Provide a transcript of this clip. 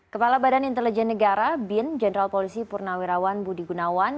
kepala badan intelijen negara bin jenderal polisi purnawirawan budi gunawan